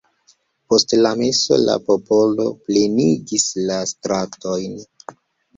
Post la meso la popolo plenigis la stratojn.